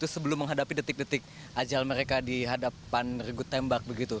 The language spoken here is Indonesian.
sebelum menghadapi detik detik ajal mereka di hadapan regu tembak begitu